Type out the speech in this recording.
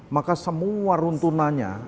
maka semua runtunanya